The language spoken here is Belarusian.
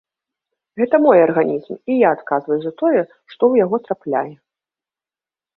Гэта мой арганізм, і я адказваю за тое, што ў яго трапляе.